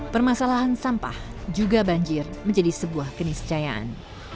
permasalahan sampah juga banjir menjadi sebuah keniscayaan